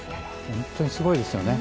本当にすごいですよね。